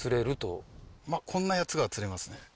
まあこんなやつが釣れますね。